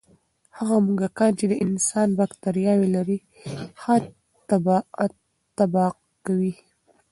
هغه موږکان چې د انسان بکتریاوې لري، ښه تطابق کوي.